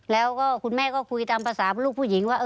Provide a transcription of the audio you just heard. แล้วก็คุณแม่ก็คุยตามภาษาลูกผู้หญิงว่า